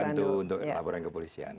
kita bantu untuk laporan kepolisian